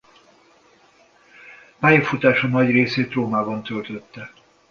Pályafutása nagy részét a Romaban töltötte.